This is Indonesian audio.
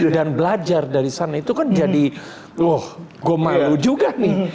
dan belajar dari sana itu kan jadi wah gue malu juga nih